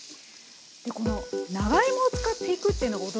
この長芋を使っていくっていうのが驚きだったんですけど。